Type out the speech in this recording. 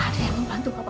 ada yang membantu bapak